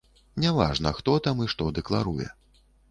Няважна, хто там і што дэкларуе.